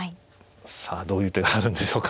さあどういう手があるんでしょうか。